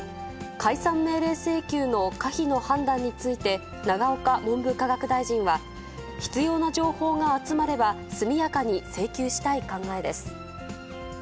解散命令請求の可否の判断について、永岡文部科学大臣は、必要な情報が集まれば、速やかに請求したい考えです。